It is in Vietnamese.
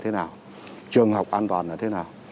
thế nào trường học an toàn là thế nào